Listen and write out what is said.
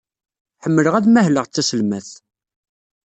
Ḥemmleɣ ad mahleɣ d taselmadt.